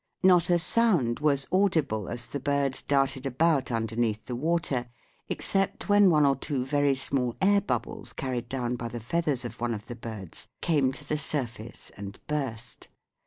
Not a sound was audible as the birds darted about underneath the water, except when one or two very small air bubbles, carried down by the feathers of one of the birds, came to the surface and burst.